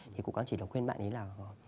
thì cũng chỉ là khuyên bạn ấy là